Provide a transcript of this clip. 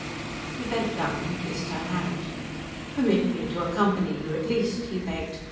He bent down and kissed her hand. "Permit me to accompany you at least," he begged.